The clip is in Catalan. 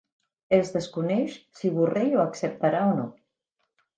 Es desconeix si Borrell ho acceptarà o no.